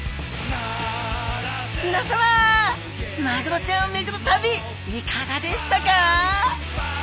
皆さまマグロちゃんを巡る旅いかがでしたか？